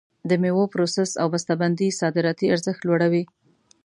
د میوو پروسس او بسته بندي صادراتي ارزښت لوړوي.